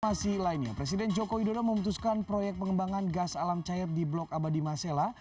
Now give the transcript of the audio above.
informasi lainnya presiden joko widodo memutuskan proyek pengembangan gas alam cair di blok abadi masela